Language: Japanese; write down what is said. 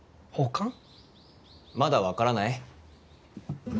まだ分からない？